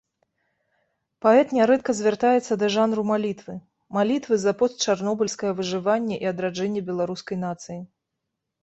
Паэт нярэдка звяртаецца да жанру малітвы, малітвы за постчарнобыльскае выжыванне і адраджэнне беларускай нацыі.